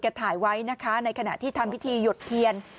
ถ่ายไว้นะคะในขณะที่ทำพิธีหยดเทียน